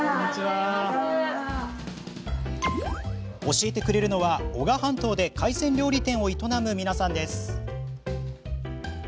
教えてくれるのは、男鹿半島で海鮮料理店を営む皆さんです。